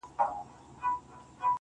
په دې پردي وطن كي.